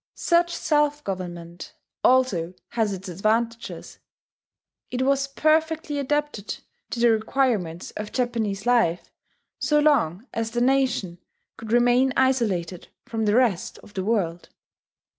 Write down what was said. Such self government also has its advantages: it was perfectly adapted to the requirements of Japanese life so long as the nation could remain isolated from the rest of the world.